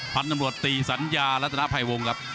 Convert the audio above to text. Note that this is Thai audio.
พันธุ์ตำรวจตีสัญญารัฐนาภัยวงครับ